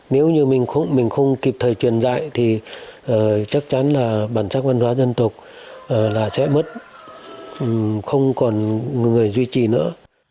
nếu như mình không kịp thời truyền dạy thì chắc chắn là bản sắc văn hóa dân tộc là sẽ mất không còn người duy trì nữa